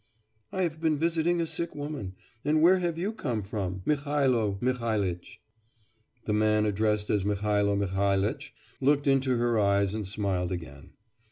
'I have been visiting a sick woman... And where have you come from, Mihailo Mihailitch?' The man addressed as Mihailo Mihailitch looked into her eyes and smiled again.